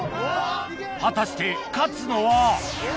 果たして勝つのは？